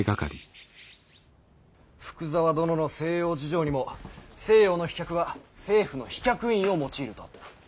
福沢殿の「西洋事情」にも西洋の飛脚は政府の飛脚印を用いるとあった。